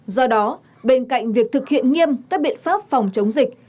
do đó bên cạnh việc thực hiện nghiêm các biện pháp phòng chống dịch